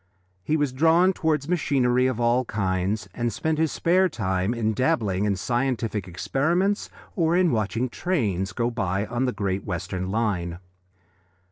He was drawn towards machinery of all kinds, and spent his spare time in dabbling in scientific experiments or in watching trains go by on the Great Western line.